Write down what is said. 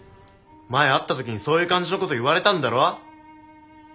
前会った時にそういう感じのこと言われたんだろ？